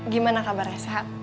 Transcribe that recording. gimana kabarnya sehat